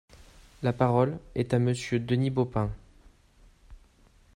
La parole est à Monsieur Denis Baupin.